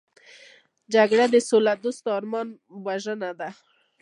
جګړه د سولهدوستو د ارمان وژنه ده